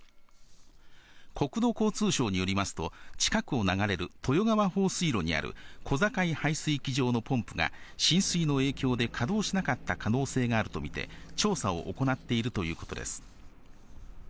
国土交通省によりますと、近くを流れる豊川放水路にある小坂井排水機場のポンプが浸水の影響で、稼働しなかった可能性があると見て、調査を行っているということです。